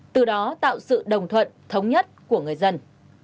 từ đó tạo sự đồng thuận thống nhất của người dân